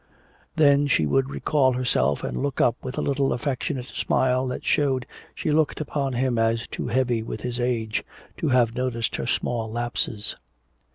Then she would recall herself and look up with a little affectionate smile that showed she looked upon him as too heavy with his age to have noticed her small lapses.